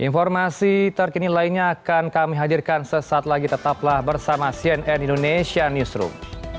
informasi terkini lainnya akan kami hadirkan sesaat lagi tetaplah bersama cnn indonesia newsroom